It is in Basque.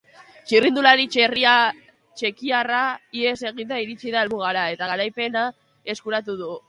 Txirrindulari txekiarra ihes eginda iritsi da helmugara, eta garaipena eskuratu du.